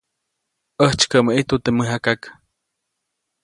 ʼÄjtsykäʼmäʼ ʼijtu teʼ mäjakak.